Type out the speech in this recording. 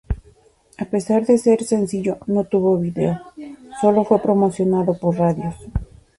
A pesar de ser un sencillo no tuvo video, solo fue promocionado por radios.